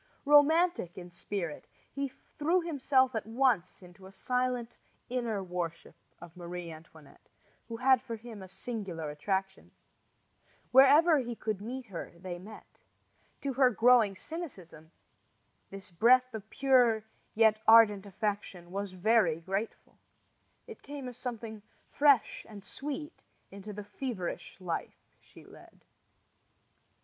Romantic in spirit, he threw himself at once into a silent inner worship of Marie Antoinette, who had for him a singular attraction. Wherever he could meet her they met. To her growing cynicism this breath of pure yet ardent affection was very grateful. It came as something fresh and sweet into the feverish life she led.